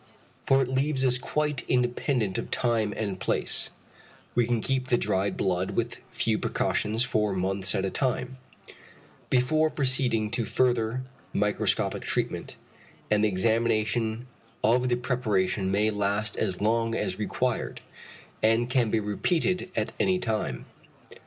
For it leaves us quite independent of time and place, we can keep the dried blood with few precautions for months at a time, before proceeding to further microscopic treatment; and the examination of the preparation may last as long as required, and can be repeated at any time.